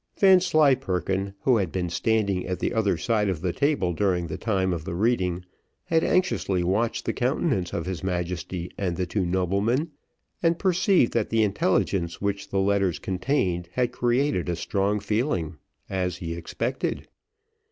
Vanslyperken, who had been standing at the other side of the table during the time of the reading, had anxiously watched the countenance of his Majesty and the two noblemen, and perceived that the intelligence which the letters contained, had created a strong feeling, as he expected.